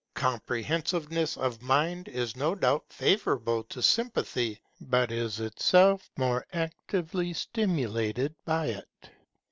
Comprehensiveness of mind is no doubt favourable to sympathy, but is itself more actively stimulated by it.